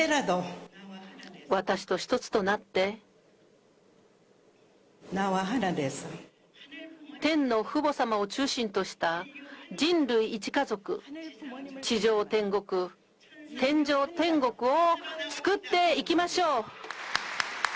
私と一つとなって、天の父母様を中心とした人類一家族、地上天国、天上天国を作っていきましょう。